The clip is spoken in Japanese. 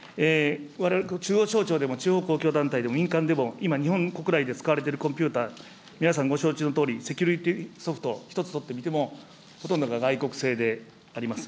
われわれ中央省庁でも、地方公共団体でも、民間でも、今、日本国内で使われているコンピューター、皆さん、ご承知のとおり、セキュリティソフト一つ取ってみても、ほとんどが外国製であります。